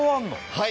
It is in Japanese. はい！